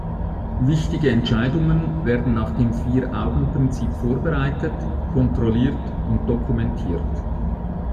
Wichtige Entscheidungen werden nach dem Vieraugenprinzip vorbereitet, kontrolliert und dokumentiert.